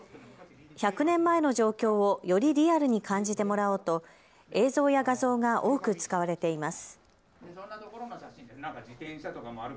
１００年前の状況をよりリアルに感じてもらおうと映像や画像が多く使われています。